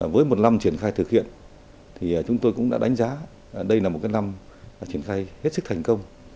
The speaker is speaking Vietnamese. với một năm triển khai thực hiện thì chúng tôi cũng đã đánh giá đây là một năm triển khai hết sức thành công